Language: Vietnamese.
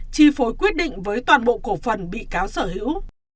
chi phối quyết định với toàn bộ cổ phần bị cáo sở hữu